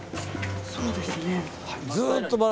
そうですね。